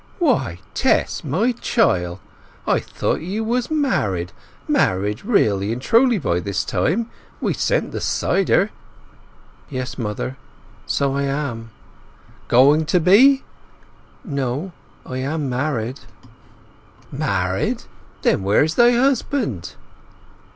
"Why—Tess!—my chil'—I thought you was married!—married really and truly this time—we sent the cider—" "Yes, mother; so I am." "Going to be?" "No—I am married." "Married! Then where's thy husband?"